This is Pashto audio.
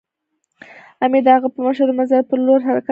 امیر د هغه په مشوره د مزار پر لور حرکت وکړ.